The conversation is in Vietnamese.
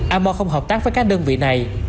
amor không hợp tác với các đơn vị này